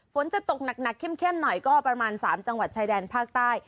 ฝนจะตกหนักเข้มหน่อยก็ประมาณ๓จังหวัดชายแดนภาคใต้